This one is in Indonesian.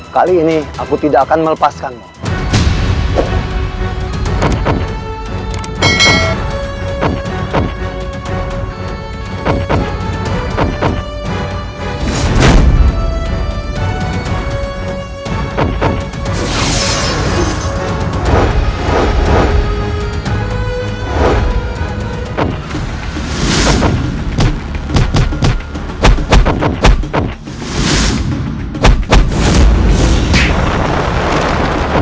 kali ini aku tidak akan melepaskanmu